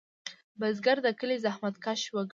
بزګر د کلي زحمتکش وګړی دی